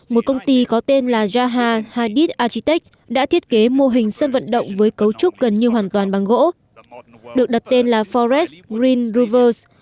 một công ty có tên là jaha hadid achitech đã thiết kế mô hình sân vận động với cấu trúc gần như hoàn toàn bằng gỗ được đặt tên là forest green rouverse